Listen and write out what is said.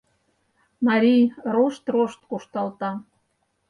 Марий рошт-рошт кушталта